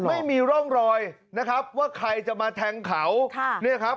ไม่มีร่องรอยนะครับว่าใครจะมาแทงเขา